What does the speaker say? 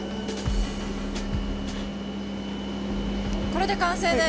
これで完成で。